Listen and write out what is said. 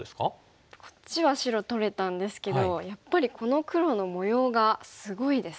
こっちは白取れたんですけどやっぱりこの黒の模様がすごいですね。